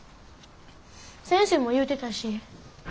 先生も言うてたし。